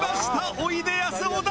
おいでやす小田